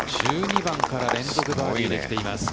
１２番から連続バーディーで来ていますね。